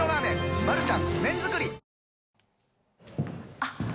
あっ。